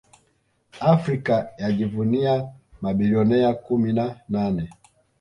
Afrika yajivunia mabilionea kumi na nane